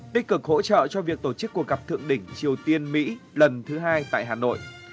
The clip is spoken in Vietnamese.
tích cực hỗ trợ cho việc tổ chức cuộc gặp thượng đỉnh triều tiên mỹ lần thứ hai tại hà nội